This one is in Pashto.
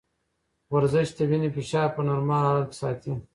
ورزش د وینې فشار په نورمال حالت کې ساتي.